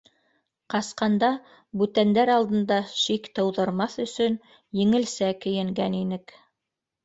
— Ҡасҡанда, бүтәндәр алдында шик тыуҙырмаҫ өсөн еңелсә кейенгән инек.